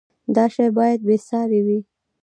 دا شی باید بې ساری وي.